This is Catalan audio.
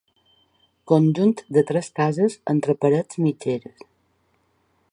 Conjunt de tres cases entre parets mitgeres.